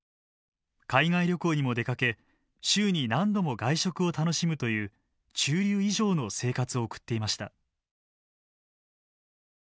海外旅行にも出かけ週に何度も外食を楽しむという中流以上の生活を送っていました。